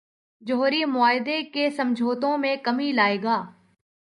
جوہری معاہدے کے سمجھوتوں میں کمی لائے گا۔